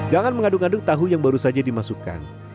jangan mengaduk aduk tahu yang baru saja dimasukkan